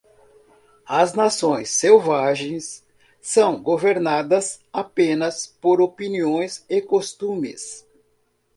As nações selvagens são governadas apenas por opiniões e costumes.